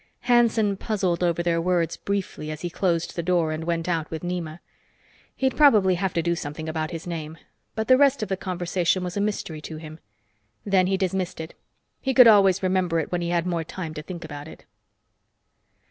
Hanson puzzled over their words briefly as he closed the door and went out with Nema. He'd probably have to do something about his name, but the rest of the conversation was a mystery to him. Then he dismissed it. He could always remember it when he had more time to think about it.